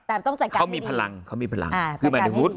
แต่ต้องจัดการให้ดีเขามีพลังเขามีพลังอ่าประกาศให้ดี